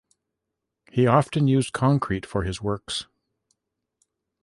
He often used concrete for his works.